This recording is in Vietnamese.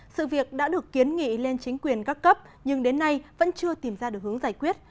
sự việc đã được kiến nghị lên chính quyền các cấp nhưng đến nay vẫn chưa tìm ra được hướng giải quyết